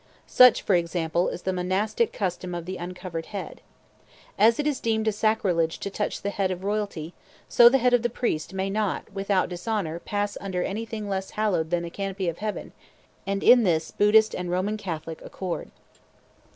Such, for example, is the monastic custom of the uncovered head. As it is deemed sacrilege to touch the head of royalty, so the head of the priest may not without dishonor pass under anything less hallowed than the canopy of heaven; and in this Buddhist and Roman Catholic accord.